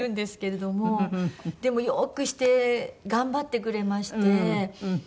でもよくして頑張ってくれまして。